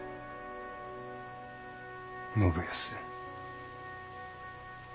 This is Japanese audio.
信康。